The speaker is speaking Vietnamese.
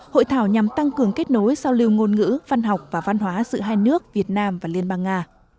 hội thảo nhằm tăng cường kết nối giao lưu ngôn ngữ văn học và văn hóa giữa hai nước việt nam và liên bang nga